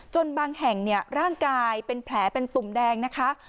บางแห่งร่างกายเป็นแผลเป็นตุ่มแดงนะคะ